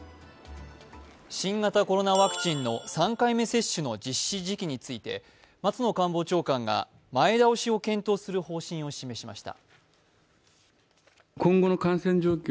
新型コロナワクチンの３回目接種の実施時期について松野官房長官が前倒しを検討する方針を示しました。